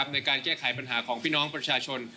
ในการแก้ไขปัญหาของพี่น้องประชาชน